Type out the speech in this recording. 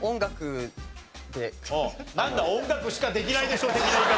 なんだ音楽しかできないでしょ的な言い方。